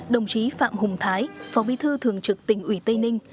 đồng chí phạm hùng thái phó bí thư thường trực tỉnh ủy tây ninh